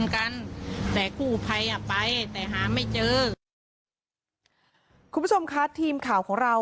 คุณผู้ชมคะทีมข่าวของเรา